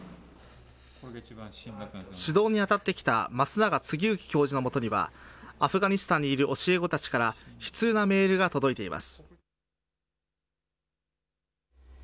指導に当たってきた増永二之教授のもとには、アフガニスタンにいる教え子たちから、悲痛なメールが届いています。